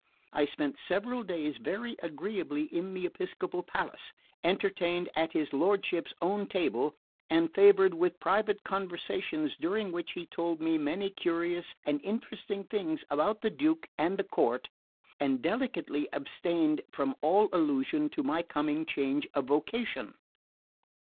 I spent several days very agreeably in the Episcopal palace, entertained at his lordship's own table, and favoured with private conversations during which he told me many curious and interesting things about the Duke and the court, and delicately abstained from all allusion to my coming change of vocation.